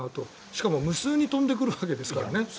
しかも無数に飛んでくるわけですからね。